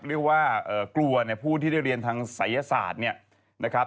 เรียกว่ากลัวเนี่ยผู้ที่ได้เรียนทางศัยศาสตร์เนี่ยนะครับ